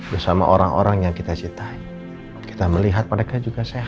bersama orang orang yang kita cintai kita melihat mereka juga sehat